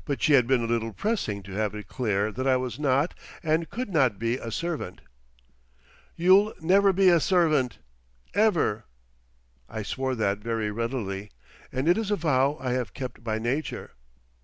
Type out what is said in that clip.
_" But she had been a little pressing to have it clear that I was not and could not be a servant. "You'll never be a servant—ever!" I swore that very readily, and it is a vow I have kept by nature.